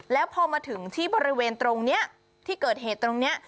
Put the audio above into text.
แล้วพอมาถึงที่บริเวณตรงนี้ที่เกิดเหตุตรงนี้